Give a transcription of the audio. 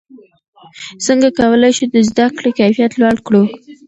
څنګه کولای شو د زده کړې کیفیت لوړ کړو؟